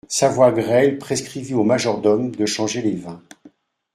Sa voix grêle prescrivit au majordome de changer les vins.